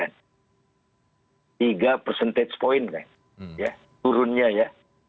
tiga percentage point kan turunnya ya